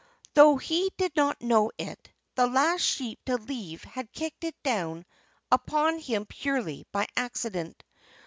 Though he did not know it, the last sheep to leave had kicked it down upon him purely by accident.